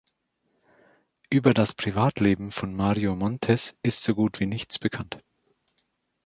Über das Privatleben von Mario Montez ist so gut wie nichts bekannt.